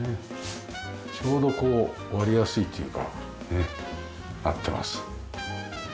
ちょうど割りやすいというかねえなってます。